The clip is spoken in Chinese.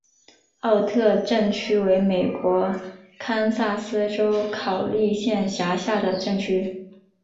奥特镇区为美国堪萨斯州考利县辖下的镇区。